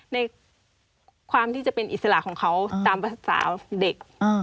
ในความที่จะเป็นอิสระของเขาตามภาษาเด็ก